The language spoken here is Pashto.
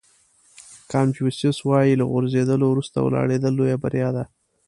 کانفیوسیس وایي له غورځېدلو وروسته ولاړېدل لویه بریا ده.